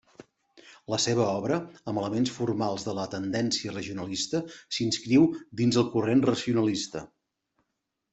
La seva obra, amb elements formals de la tendència regionalista, s'inscriu dins el corrent racionalista.